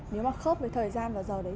nếu mà khớp với thời gian và giờ đấy